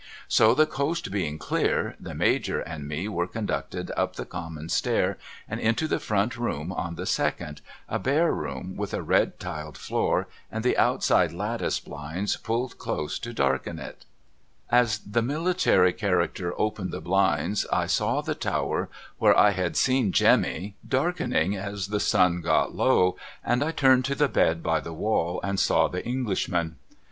So the coast being clear, the Major and me were conducted up the common stair and into the front room on the .second, a bare room with a red tiled floor and the outside lattice blinds pulled close to darken it. As the military character opened the blinds I saw the tower where I had seen Jemmy, darkening as ^71 .:^ 37' THE DYING ENGLISHMAN 371 the sun got low, and I turned to the bed by the wall and saw the Englishman.